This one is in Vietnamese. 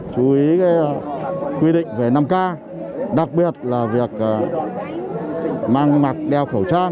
chú ý quy định về năm k đặc biệt là việc mang mặc đeo khẩu trang